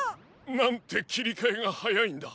なんてきりかえがはやいんだ。